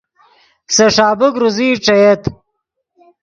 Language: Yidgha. سے ݰابیک روزئی ݯییت